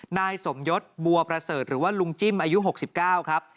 นายสมยศบัวประเสริฐหรือว่าลุงจิ้มอายุ๖๙ครับ